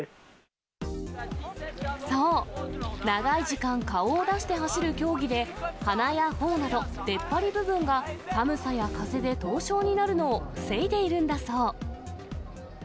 そう、長い時間顔を出して走る競技で、鼻やほおなど出っ張り部分が、寒さや風で凍傷になるのを防いでいるんだそう。